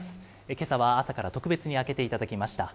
けさは朝から特別に開けていただきました。